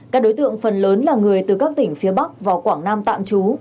các đối tượng phần lớn là người từ các tỉnh phía bắc vào quảng nam tạm trú